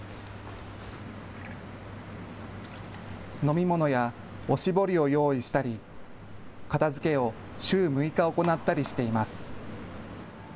飲み物やおしぼりを用意したり片づけを週６日行ったりしています。